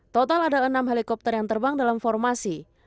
total ada enam helikopter yang terbang dalam formasi